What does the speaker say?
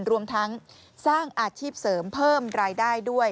รวมทั้งสร้างอาชีพเสริมเพิ่มรายได้ด้วย